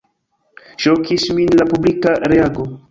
Ŝokis min la publika reago.